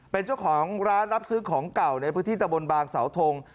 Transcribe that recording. เป็นเจ้าของร้านรับซื้อของเก่าในพื้นที่ตะบนบางเสาทง